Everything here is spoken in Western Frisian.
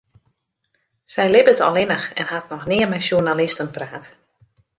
Sy libbet allinnich en hat noch nea mei sjoernalisten praat.